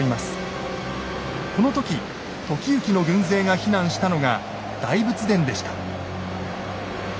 この時時行の軍勢が避難したのが大仏殿でした。